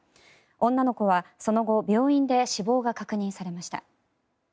女の子はその後、病院で死亡が確認されました。